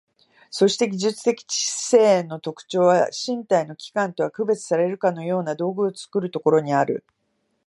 そして技術的知性の特徴は、身体の器官とは区別されるかような道具を作るところにある。